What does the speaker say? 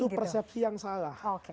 itu persepsi yang salah